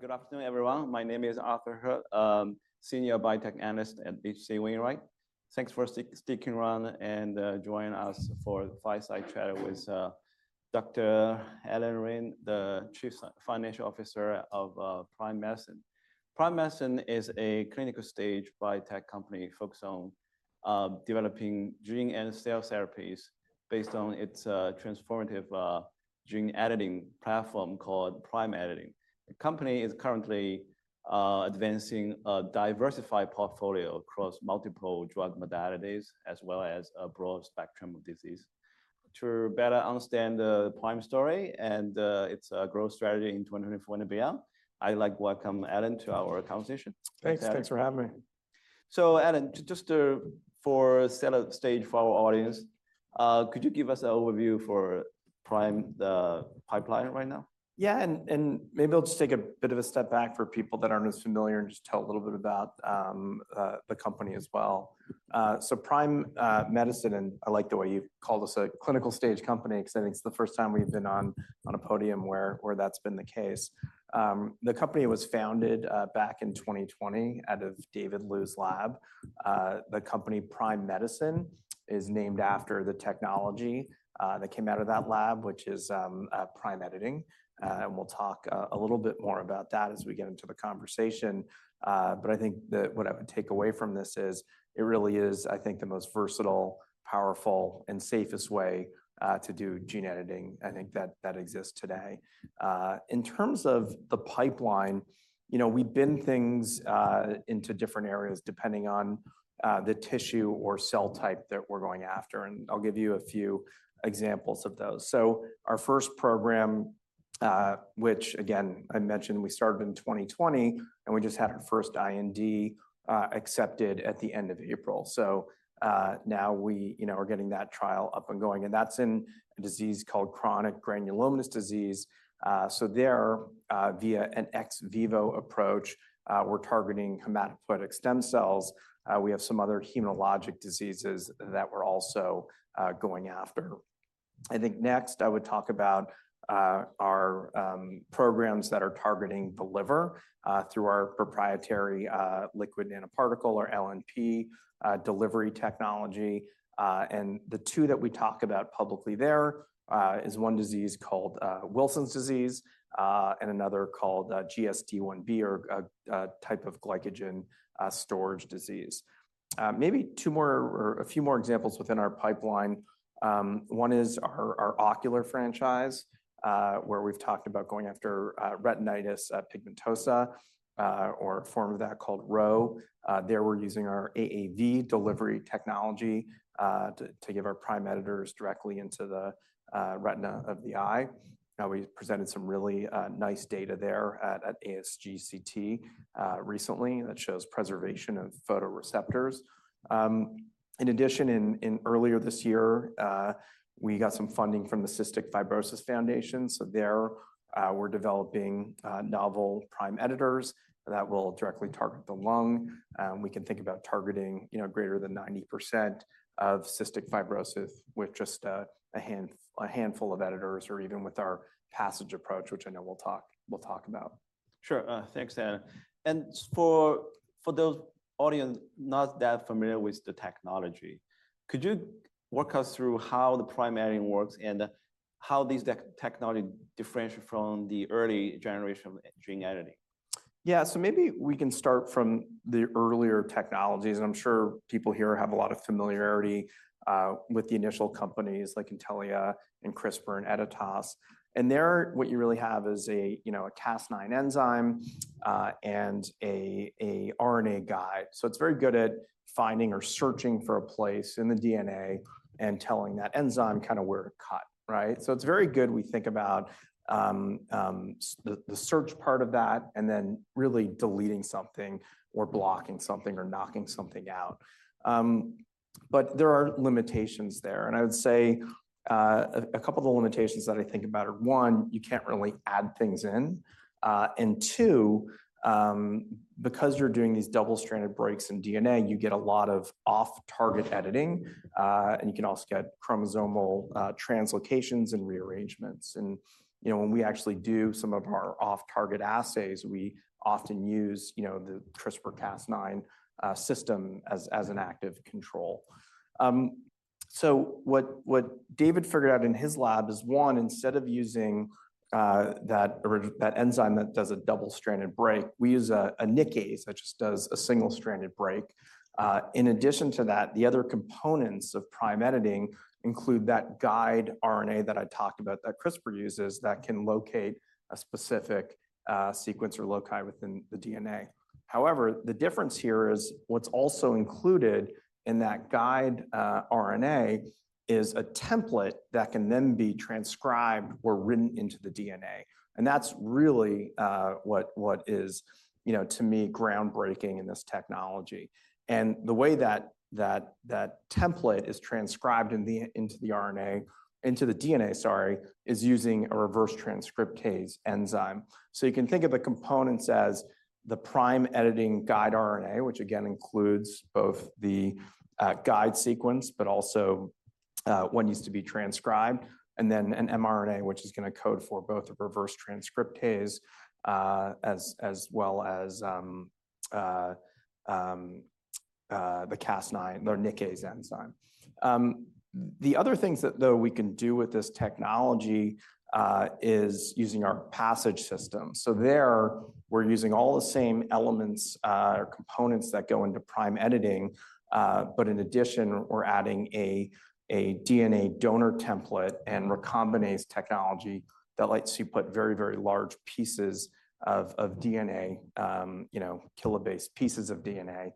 Good afternoon, everyone. My name is Arthur He, Senior Biotech Analyst at H.C. Wainwright. Thanks for sticking around and joining us for Fireside Chat with Dr. Allan Reine, the Chief Financial Officer of Prime Medicine. Prime Medicine is a clinical stage biotech company focused on developing gene and cell therapies based on its transformative gene editing platform called Prime Editing. The company is currently advancing a diversified portfolio across multiple drug modalities, as well as a broad spectrum of disease. To better understand Prime's story and its growth strategy in 2024 and beyond, I'd like to welcome Allan to our conversation. Thanks. Thanks for having me. So Allan, just to set up the stage for our audience, could you give us an overview for Prime, the pipeline right now? Yeah, and maybe I'll just take a bit of a step back for people that aren't as familiar, and just tell a little bit about the company as well. So Prime Medicine, and I like the way you called us a clinical stage company, because I think it's the first time we've been on a podium where that's been the case. The company was founded back in 2020 out of David Liu's lab. The company Prime Medicine is named after the technology that came out of that lab, which is Prime Editing, and we'll talk a little bit more about that as we get into the conversation. But I think that what I would take away from this is it really is, I think, the most versatile, powerful, and safest way to do gene editing, I think, that, that exists today. In terms of the pipeline, you know, we bin things into different areas, depending on the tissue or cell type that we're going after, and I'll give you a few examples of those. So our first program, which again, I mentioned, we started in 2020, and we just had our first IND accepted at the end of April. So now we, you know, are getting that trial up and going, and that's in a disease called chronic granulomatous disease. So there, via an ex vivo approach, we're targeting hematopoietic stem cells. We have some other hematologic diseases that we're also going after. I think next, I would talk about our programs that are targeting the liver through our proprietary lipid nanoparticle, or LNP, delivery technology. The two that we talk about publicly there is one disease called Wilson's disease and another called GSD1b, or a type of glycogen storage disease. Maybe two more or a few more examples within our pipeline. One is our ocular franchise where we've talked about going after retinitis pigmentosa or a form of that called RHO. There, we're using our AAV delivery technology to give our prime editors directly into the retina of the eye. Now, we presented some really nice data there at ASGCT recently that shows preservation of photoreceptors. In addition, earlier this year, we got some funding from the Cystic Fibrosis Foundation, so we're developing novel prime editors that will directly target the lung. We can think about targeting, you know, greater than 90% of cystic fibrosis with just a handful of editors, or even with our PASSIGE approach, which I know we'll talk about. Sure. Thanks, Allan, and for those in the audience not that familiar with the technology, could you walk us through how the prime editing works and how these technology differentiate from the early generation of gene editing? Yeah. So maybe we can start from the earlier technologies, and I'm sure people here have a lot of familiarity with the initial companies like Intellia and CRISPR and Editas. And there, what you really have is a, you know, a Cas9 enzyme, and a RNA guide. So it's very good at finding or searching for a place in the DNA and telling that enzyme kinda where to cut, right? So it's very good, we think about the search part of that, and then really deleting something or blocking something or knocking something out. But there are limitations there, and I would say a couple of the limitations that I think about are, one, you can't really add things in, and two, because you're doing these double-stranded breaks in DNA, you get a lot of off-target editing. And you can also get chromosomal translocations and rearrangements. And, you know, when we actually do some of our off-target assays, we often use, you know, the CRISPR-Cas9 system as an active control. So what David figured out in his lab is, one, instead of using that enzyme that does a double-stranded break, we use a nickase that just does a single-stranded break. In addition to that, the other components of prime editing include that guide RNA that I talked about, that CRISPR uses, that can locate a specific sequence or loci within the DNA. However, the difference here is what's also included in that guide RNA is a template that can then be transcribed or written into the DNA, and that's really what is, you know, to me, groundbreaking in this technology. And the way that template is transcribed into the RNA into the DNA, sorry, is using a reverse transcriptase enzyme. So you can think of the components as the prime editing guide RNA, which again includes both the guide sequence, but also one needs to be transcribed, and then an mRNA, which is gonna code for both a reverse transcriptase as well as the Cas9 or nickase enzyme. The other things that though we can do with this technology is using our PASSIGE system. So there, we're using all the same elements or components that go into prime editing, but in addition, we're adding a DNA donor template and recombinase technology that lets you put very, very large pieces of DNA, you know, kilobase pieces of DNA,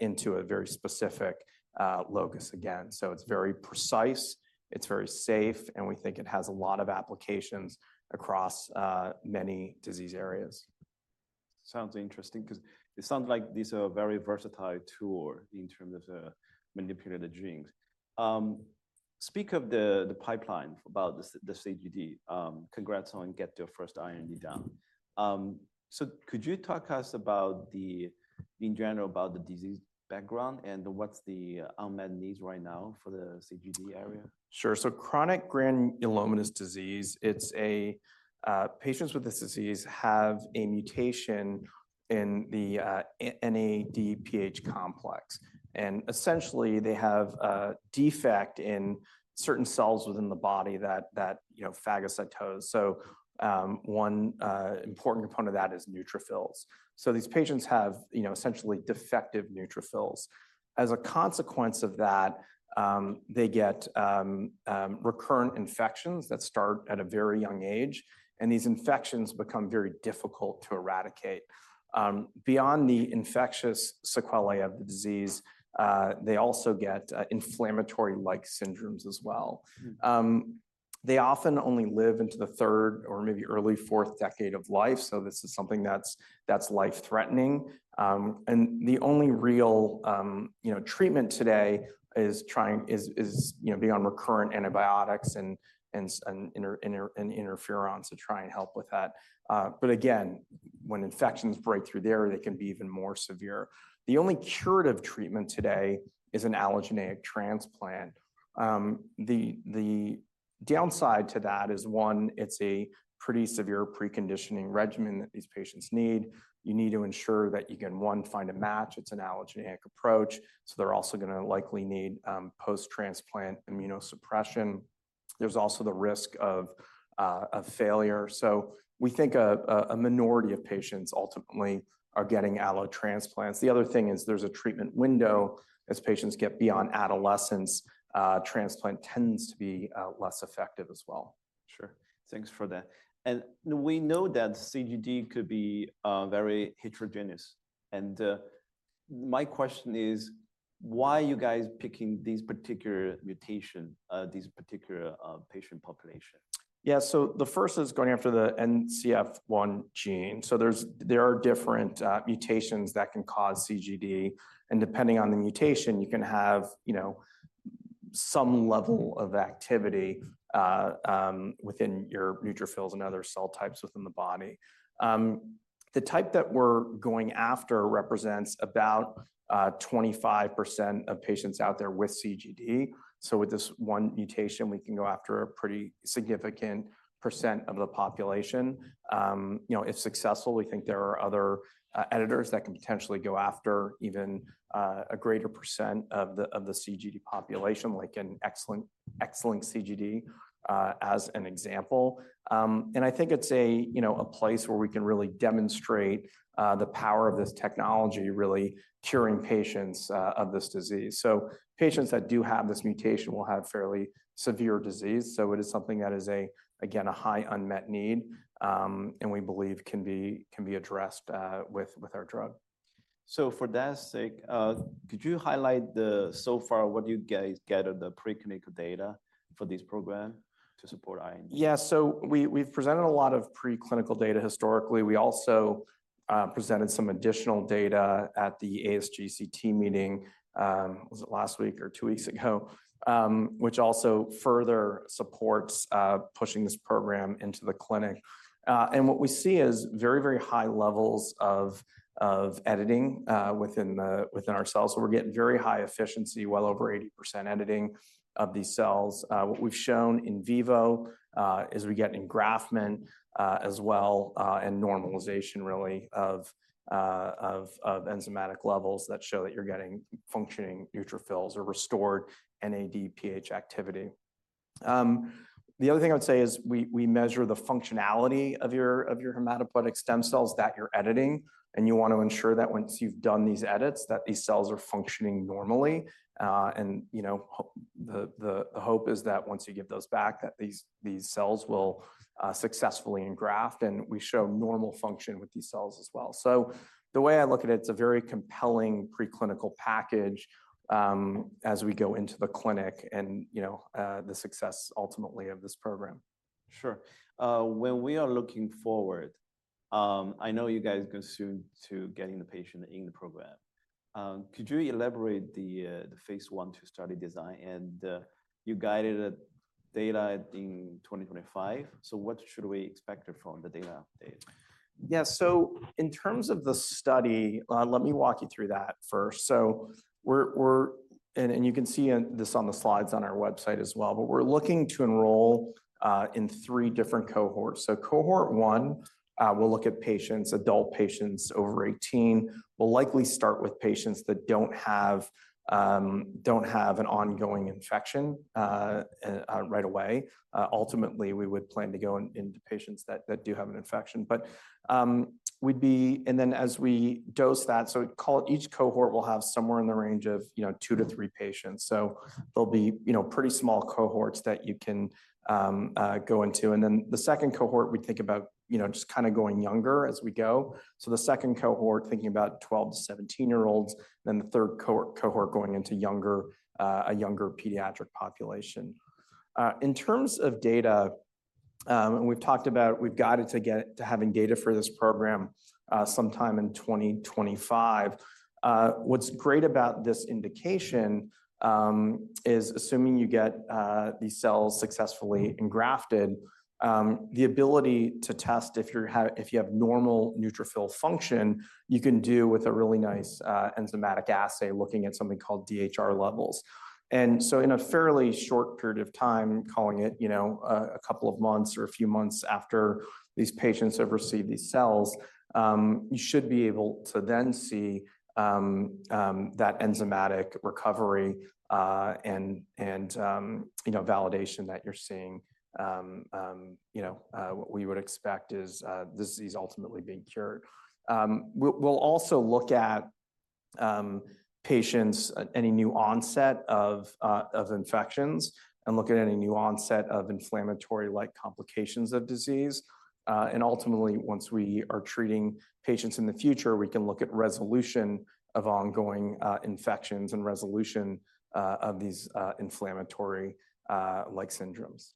into a very specific locus again. So it's very precise, it's very safe, and we think it has a lot of applications across many disease areas. Sounds interesting 'cause it sounds like these are a very versatile tool in terms of manipulating the genes. Speak of the pipeline about the CGD. Congrats on get your first IND down. So could you talk us about, in general, about the disease background, and what's the unmet needs right now for the CGD area? Sure. So, chronic granulomatous disease, it's a patients with this disease have a mutation in the NADPH complex. And essentially, they have a defect in certain cells within the body that you know phagocytose. So, one important component of that is neutrophils. So these patients have, you know, essentially defective neutrophils. As a consequence of that, they get recurrent infections that start at a very young age, and these infections become very difficult to eradicate. Beyond the infectious sequelae of the disease, they also get inflammatory-like syndromes as well. Mm. They often only live into the third or maybe early fourth decade of life, so this is something that's life-threatening. The only real treatment today is, you know, be on recurrent antibiotics and interferons to try and help with that. But again, when infections break through there, they can be even more severe. The only curative treatment today is an allogeneic transplant. The downside to that is, one, it's a pretty severe preconditioning regimen that these patients need. You need to ensure that you can, one, find a match. It's an allogeneic approach, so they're also gonna likely need post-transplant immunosuppression. There's also the risk of failure. So we think a minority of patients ultimately are getting allo transplants. The other thing is there's a treatment window. As patients get beyond adolescence, transplant tends to be less effective as well. Sure. Thanks for that. And we know that CGD could be very heterogeneous, and my question is: Why are you guys picking these particular patient population? Yeah. So the first is going after the NCF1 gene. So there are different mutations that can cause CGD, and depending on the mutation, you can have, you know, some level of activity within your neutrophils and other cell types within the body. The type that we're going after represents about 25% of patients out there with CGD. So with this one mutation, we can go after a pretty significant percent of the population. You know, if successful, we think there are other editors that can potentially go after even a greater percent of the CGD population, like X-linked CGD, as an example. And I think it's a, you know, a place where we can really demonstrate the power of this technology, really curing patients of this disease. So patients that do have this mutation will have fairly severe disease, so it is something that is, again, a high unmet need, and we believe can be addressed with our drug. So for that sake, could you highlight the... so far, what you guys get on the preclinical data for this program to support IND? Yeah. So we, we've presented a lot of preclinical data historically. We also presented some additional data at the ASGCT meeting, was it last week or two weeks ago? Which also further supports pushing this program into the clinic. And what we see is very, very high levels of editing within our cells. So we're getting very high efficiency, well over 80% editing of these cells. What we've shown in vivo is we get engraftment as well, and normalization really of enzymatic levels that show that you're getting functioning neutrophils or restored NADPH activity. The other thing I would say is we measure the functionality of your hematopoietic stem cells that you're editing, and you wanna ensure that once you've done these edits, that these cells are functioning normally. And, you know, the hope is that once you give those back, that these cells will successfully engraft, and we show normal function with these cells as well. So the way I look at it, it's a very compelling preclinical package, as we go into the clinic and, you know, the success ultimately of this program. Sure. When we are looking forward, I know you guys go soon to getting the patient in the program. Could you elaborate the phase I, II study design and you guided data in 2025. So what should we expected from the data update? Yeah. So in terms of the study, let me walk you through that first. So we're and you can see in this on the slides on our website as well, but we're looking to enroll in three different cohorts. So cohort one will look at patients, adult patients over 18. We'll likely start with patients that don't have an ongoing infection right away. Ultimately, we would plan to go into patients that do have an infection. But and then as we dose that, so call it each cohort will have somewhere in the range of, you know, two to three patients. So they'll be, you know, pretty small cohorts that you can go into. And then the second cohort, we think about, you know, just kinda going younger as we go. So the second cohort, thinking about 12- to 17-year-olds, then the third cohort going into younger, a younger pediatric population. In terms of data, and we've talked about, we've guided to get to having data for this program, sometime in 2025. What's great about this indication is assuming you get these cells successfully engrafted, the ability to test if you have normal neutrophil function, you can do with a really nice enzymatic assay looking at something called DHR levels. And so in a fairly short period of time, calling it, you know, a couple of months or a few months after these patients have received these cells, you should be able to then see that enzymatic recovery, and you know, validation that you're seeing. You know, what we would expect is the disease ultimately being cured. We'll also look at patients, any new onset of infections and look at any new onset of inflammatory-like complications of disease. And ultimately, once we are treating patients in the future, we can look at resolution of ongoing infections and resolution of these inflammatory like syndromes.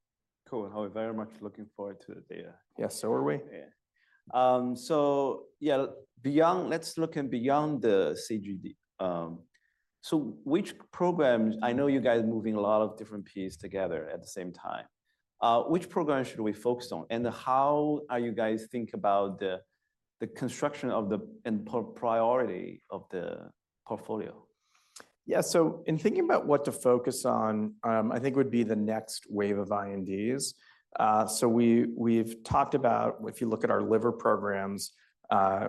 Cool. We're very much looking forward to the data. Yes, so are we. Yeah. So yeah, beyond the CGD, let's look beyond the CGD. So which programs... I know you guys are moving a lot of different pieces together at the same time. Which program should we focus on? And how are you guys think about the, the construction of the, and priority of the portfolio? Yeah. So in thinking about what to focus on, I think would be the next wave of INDs. So we, we've talked about, if you look at our liver programs,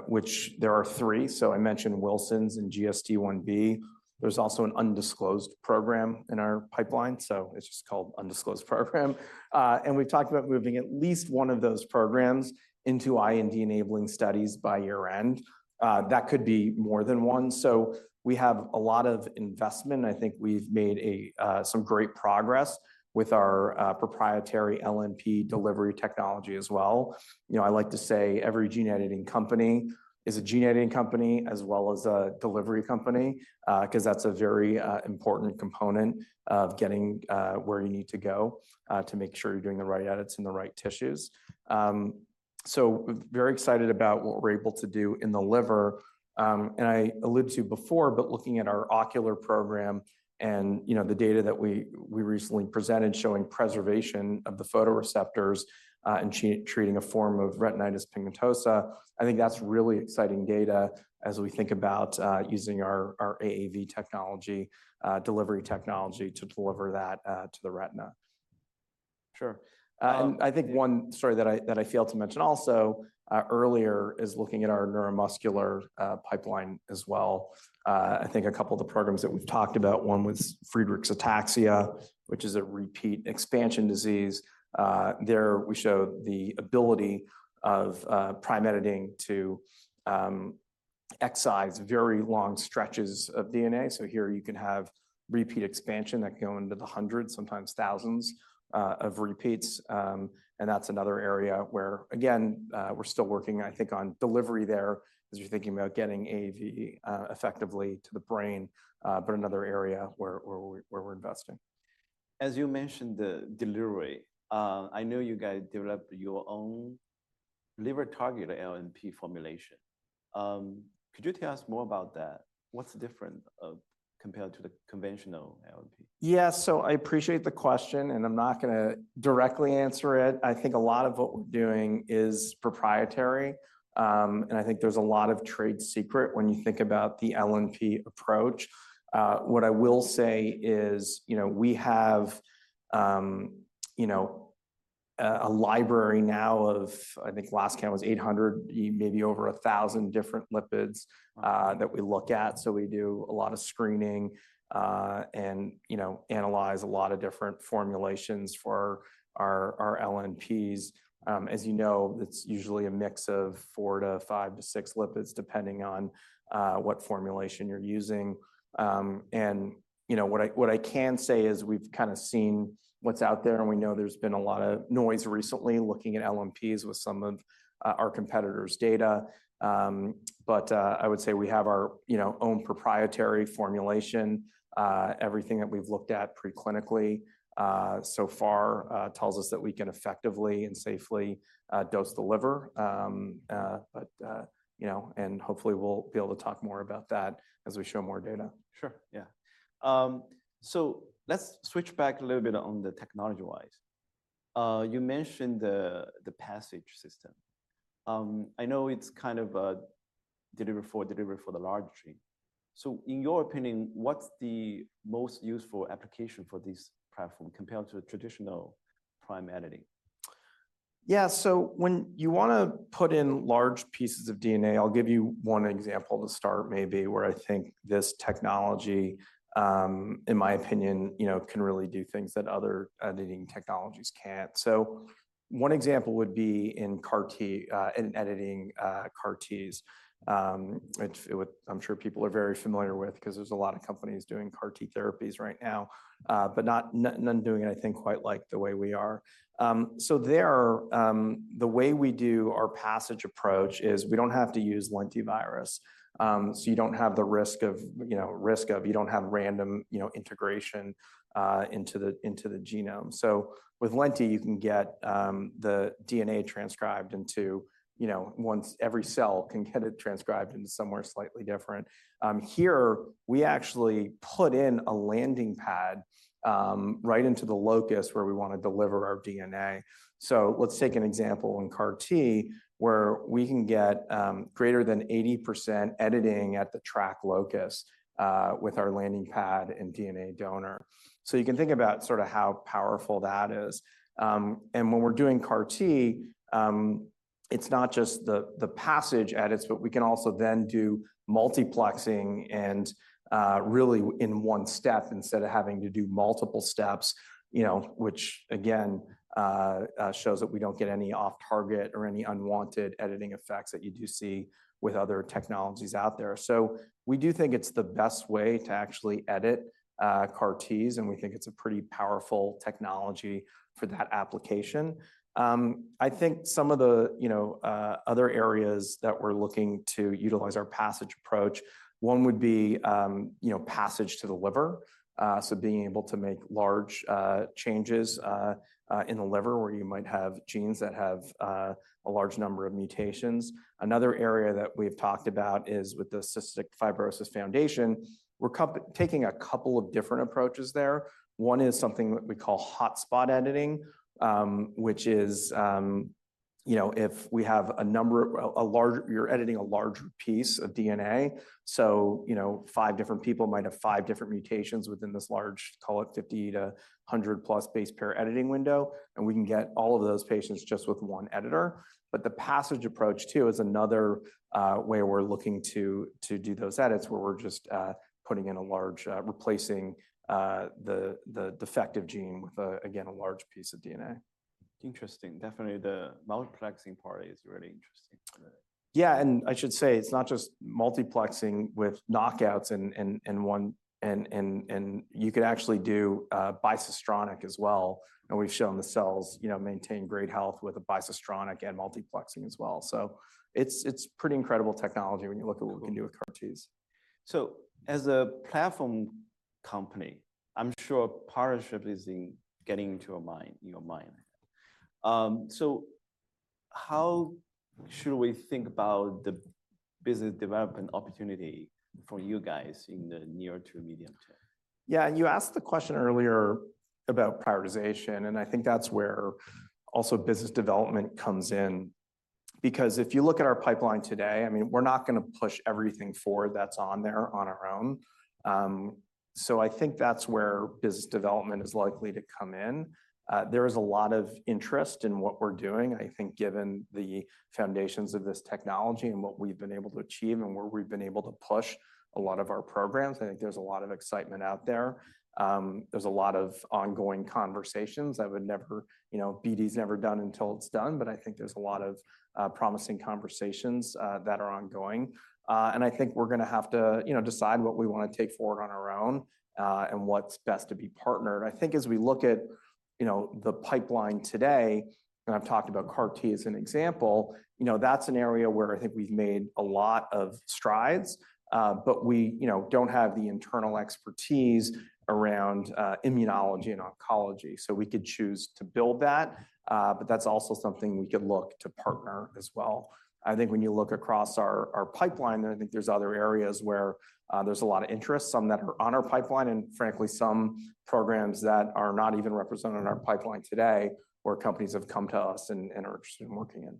which there are three, so I mentioned Wilson's and GSD1b. There's also an undisclosed program in our pipeline, so it's just called undisclosed program. And we've talked about moving at least one of those programs into IND-enabling studies by year-end. That could be more than one, so we have a lot of investment, and I think we've made some great progress with our proprietary LNP delivery technology as well. You know, I like to say every gene-editing company is a gene-editing company as well as a delivery company, 'cause that's a very important component of getting where you need to go to make sure you're doing the right edits in the right tissues. So very excited about what we're able to do in the liver. And I alluded to before, but looking at our ocular program and, you know, the data that we recently presented showing preservation of the photoreceptors in treating a form of retinitis pigmentosa, I think that's really exciting data as we think about using our AAV technology delivery technology to deliver that to the retina. Sure. Um- I think one story that I failed to mention also, earlier, is looking at our neuromuscular pipeline as well. I think a couple of the programs that we've talked about, one was Friedreich's ataxia, which is a repeat expansion disease. There, we showed the ability of prime editing to excise very long stretches of DNA. So here you can have repeat expansion that can go into the hundreds, sometimes thousands, of repeats. And that's another area where, again, we're still working, I think, on delivery there, as you're thinking about getting AAV effectively to the brain, but another area where we're investing. As you mentioned, the delivery, I know you guys developed your own liver-targeted LNP formulation. Could you tell us more about that? What's different, compared to the conventional LNP? Yeah. So I appreciate the question, and I'm not gonna directly answer it. I think a lot of what we're doing is proprietary, and I think there's a lot of trade secret when you think about the LNP approach. What I will say is, you know, we have a library now of, I think last count was 800, maybe over 1,000 different lipids. Wow. That we look at. So we do a lot of screening, and, you know, analyze a lot of different formulations for our LNPs. As you know, it's usually a mix of four to five to six lipids, depending on what formulation you're using. And you know, what I can say is we've kinda seen what's out there, and we know there's been a lot of noise recently looking at LNPs with some of our competitors' data. But I would say we have our, you know, own proprietary formulation. Everything that we've looked at preclinically so far tells us that we can effectively and safely dose the liver. But you know, and hopefully we'll be able to talk more about that as we show more data. Sure, yeah. So let's switch back a little bit on the technology-wise. You mentioned the PASSIGE system. I know it's kind of delivery for the large payloads. So in your opinion, what's the most useful application for this platform compared to a traditional prime editing? Yeah. So when you wanna put in large pieces of DNA, I'll give you one example to start, maybe, where I think this technology, in my opinion, you know, can really do things that other editing technologies can't. So one example would be in CAR-T, in editing, CAR-Ts. It would—I'm sure people are very familiar with because there's a lot of companies doing CAR-T therapies right now, but none doing anything quite like the way we are. So the way we do our PASSIGE approach is we don't have to use lentivirus. So you don't have the risk of, you know, random, you know, integration into the genome. So with lenti, you can get the DNA transcribed into, you know, once every cell can get it transcribed into somewhere slightly different. Here, we actually put in a landing pad right into the locus where we wanna deliver our DNA. So let's take an example in CAR-T, where we can get greater than 80% editing at the TRAC locus with our landing pad and DNA donor. So you can think about sort of how powerful that is. And when we're doing CAR-T, it's not just the PASSIGE edits, but we can also then do multiplexing and really in one step instead of having to do multiple steps, you know, which again shows that we don't get any off-target or any unwanted editing effects that you do see with other technologies out there. So we do think it's the best way to actually edit CAR-Ts, and we think it's a pretty powerful technology for that application. I think some of the, you know, other areas that we're looking to utilize our PASSIGE approach, one would be, you know, PASSIGE to the liver. So being able to make large changes in the liver, where you might have genes that have a large number of mutations. Another area that we've talked about is with the Cystic Fibrosis Foundation. We're taking a couple of different approaches there. One is something that we call hotspot editing, which is, you know, if we have a number, a large—you're editing a large piece of DNA, so, you know, five different people might have five different mutations within this large, call it 50-100+ base pair editing window, and we can get all of those patients just with one editor. But the PASSIGE approach, too, is another where we're looking to do those edits, where we're just putting in a large replacing the defective gene with again a large piece of DNA. Interesting. Definitely, the multiplexing part is really interesting. Yeah, and I should say, it's not just multiplexing with knockouts and you could actually do bicistronic as well, and we've shown the cells, you know, maintain great health with a bicistronic and multiplexing as well. So it's pretty incredible technology when you look at what we can do with CAR-Ts. So as a platform company, I'm sure partnership is in getting into your mind, your mind. So how should we think about the business development opportunity for you guys in the near to medium term? Yeah. You asked the question earlier about prioritization, and I think that's where also business development comes in. Because if you look at our pipeline today, I mean, we're not gonna push everything forward that's on there on our own. So I think that's where business development is likely to come in. There is a lot of interest in what we're doing. I think given the foundations of this technology and what we've been able to achieve and where we've been able to push a lot of our programs, I think there's a lot of excitement out there. There's a lot of ongoing conversations. I would never, you know, BD's never done until it's done, but I think there's a lot of promising conversations that are ongoing. And I think we're gonna have to, you know, decide what we wanna take forward on our own, and what's best to be partnered. I think as we look at, you know, the pipeline today, and I've talked about CAR T as an example, you know, that's an area where I think we've made a lot of strides, but we, you know, don't have the internal expertise around, immunology and oncology. So we could choose to build that, but that's also something we could look to partner as well. I think when you look across our, our pipeline, I think there's other areas where, there's a lot of interest, some that are on our pipeline, and frankly, some programs that are not even represented in our pipeline today, where companies have come to us and, and are interested in working in.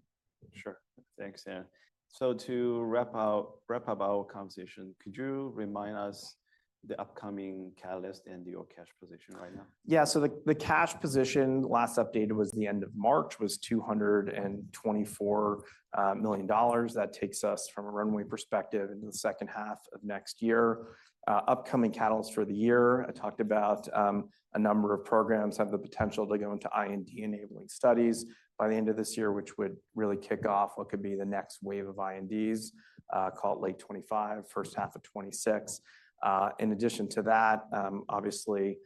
Sure. Thanks, Arthur. So to wrap up our conversation, could you remind us the upcoming catalyst and your cash position right now? Yeah. So the cash position, last updated was the end of March, was $224 million. That takes us from a runway perspective into the second half of next year. Upcoming catalysts for the year, I talked about, a number of programs have the potential to go into IND-enabling studies by the end of this year, which would really kick off what could be the next wave of INDs, call it late 2025, first half of 2026. In addition to that, obviously,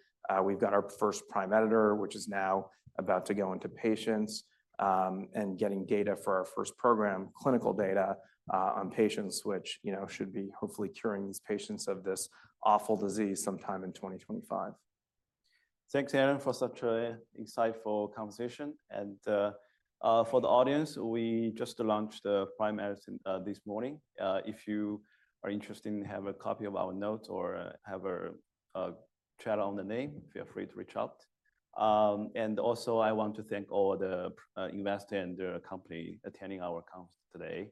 we've got our first prime editor, which is now about to go into patients, and getting data for our first program, clinical data, on patients, which, you know, should be hopefully curing these patients of this awful disease sometime in 2025. Thanks, Arthur, for such an insightful conversation. For the audience, we just launched Prime Medicine this morning. If you are interested in have a copy of our notes or have a chat on the name, feel free to reach out. Also, I want to thank all the investors and the company attending our conference today,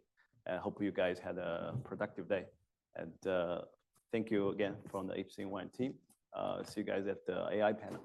and I hope you guys had a productive day. Thank you again from the H.C. Wainwright team. See you guys at the AI panel.